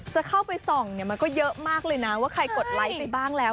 จะเข้าไปส่องเนี่ยมันก็เยอะมากเลยนะว่าใครกดไลค์ไปบ้างแล้ว